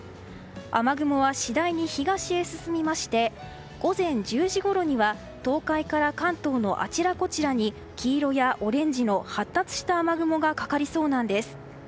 雨雲は次第に東へ進みまして午前１０時ごろには東海から関東のあちらこちらに黄色やオレンジの発達した雨雲がかかりそうなんです。